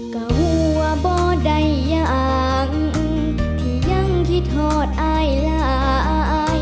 กะหัวบ่ได้ยังที่ยังคิดถอดอายละ